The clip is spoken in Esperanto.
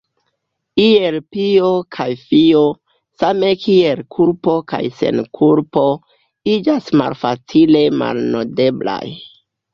Iel pio kaj fio, same kiel kulpo kaj senkulpo, iĝas malfacile malnodeblaj.